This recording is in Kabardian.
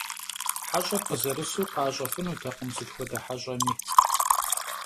Heş'er khızerısu khaş'efınutekhım sıt xuede heş'emi.